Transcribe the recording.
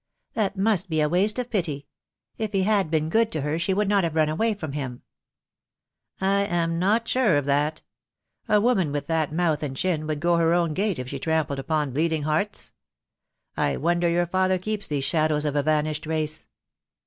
"That must be a waste of pity. If he had been good to her she would not have run away from him," "I am not sure of that. A woman with that mouth and chin would go her own gate if she trampled upon bleeding hearts. I wonder your father keeps these sha dows of a vanished race."